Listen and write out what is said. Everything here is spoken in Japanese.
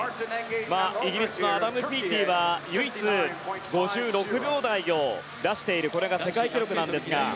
イギリスのアダム・ピーティは唯一、５６秒台を出しているこれが世界記録なんですが。